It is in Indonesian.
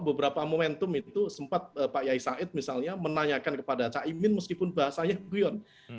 beberapa momentum itu sempat pak yai said misalnya menanyakan kepada caimin meskipun bahasanya guyon